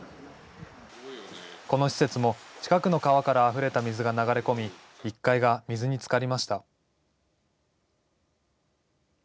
この施設も、近くの川からあふれた水が流れ込み１階が水につかりました。